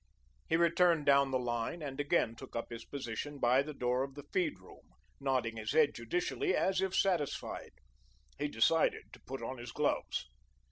He returned down the line and again took up his position by the door of the feed room, nodding his head judicially, as if satisfied. He decided to put on his gloves.